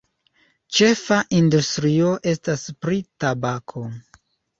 Ĉefa industrio estas pri tabako.